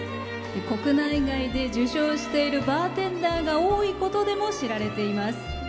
国内外で受賞しているバーテンダーが多いことでも知られています。